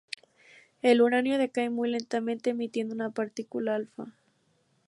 El uranio decae muy lentamente emitiendo una partícula alfa.